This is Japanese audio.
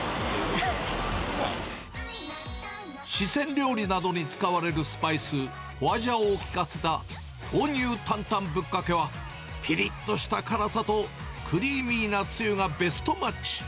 四川料理などに使われるスパイス、ホワジャオを効かせた豆乳坦々ぶっかけは、ぴりっとした辛さとクリーミーなつゆがベストマッチ。